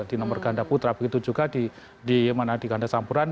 di nomor ganda putra begitu juga di ganda campuran